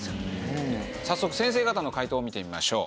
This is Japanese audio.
早速先生方の回答を見てみましょう。